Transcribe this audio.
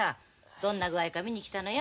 どんな具合か見に来たのよ。